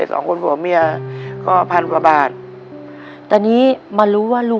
สวัสดีครับป่าเล็กสวัสดีครับ